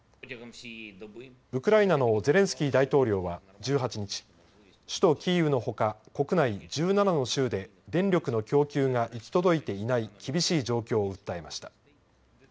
ウクライナのゼレンスキー大統領は１８日首都キーウのほか国内１７の州で電力の供給が行き届いていない厳しい状況を訴えました。